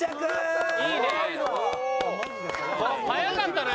速かったね。